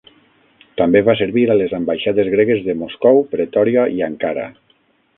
També va servir a les ambaixades gregues de Moscou, Pretòria i Ankara.